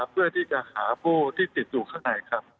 เพื่อที่จะหาผู้ที่ติดอยู่ข้างในครับ